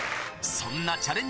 そんなチャレンジ